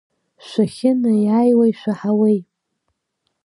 Шәахьынаиааиуа ишәаҳауеи?